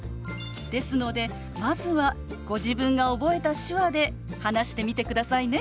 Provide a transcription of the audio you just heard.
ですのでまずはご自分が覚えた手話で話してみてくださいね。